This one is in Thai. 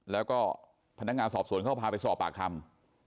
แล้วก็พนักงานสอบสวนเขาพาไปสอบปากคำ